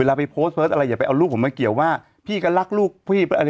ไปโพสต์เฟิร์สอะไรอย่าไปเอาลูกผมมาเกี่ยวว่าพี่ก็รักลูกพี่อะไร